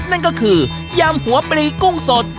นั่นก็คือยำหัวปรีกุ้งสด